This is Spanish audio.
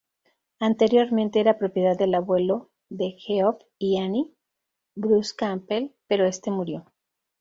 Anteriormente era propiedad del abuelo de Geoff y Annie, Bruce Campbell, pero este murió.